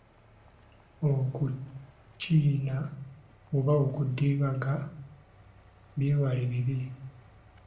Okukiina oba okudibaga byewale bibi.